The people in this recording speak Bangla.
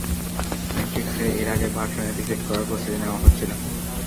ম্যাট্রিক্সকে এর আগের ভার্সনে রিসেট করার প্রস্তুতি নেওয়া হচ্ছিল।